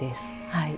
はい。